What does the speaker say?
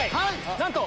なんと！